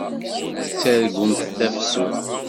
Tettargumt tafsut.